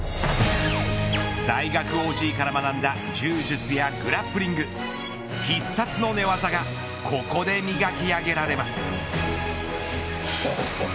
大学ＯＧから学んだ柔術やグラップリング必殺の寝技がここで磨き上げられます。